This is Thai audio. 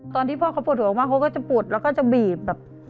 ตอนที่พ่อเขาปวดหัวมากเขาก็จะปวดแล้วก็จะบีบแบบ